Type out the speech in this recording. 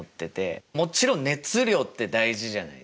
もちろん熱量って大事じゃないですか。